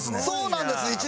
そうなんです。